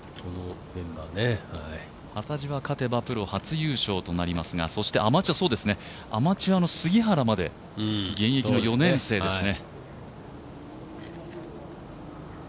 幡地は勝てばプロ初優勝となりますがそしてアマチュアの杉原まで現役の４年生ですね。